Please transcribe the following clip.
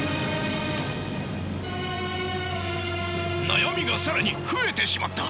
悩みが更に増えてしまった！